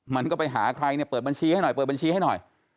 มันก็ไปหาใครเนี่ยเปิดบัญชีให้หน่อยเปิดบัญชีให้หน่อย